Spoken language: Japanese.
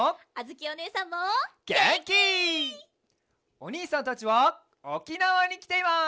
おにいさんたちはおきなわにきています！